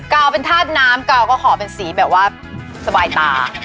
กาวเป็นธาตุน้ำกาวก็ขอเป็นสีแบบว่าสบายตา